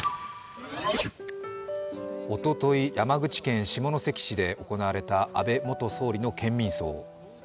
おととい、山口県下関市で行われた安倍元総理の県民葬。